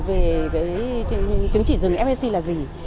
về chứng chỉ rừng fac là gì